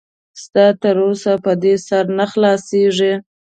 ستا تر اوسه په دې سر نه خلاصېږي.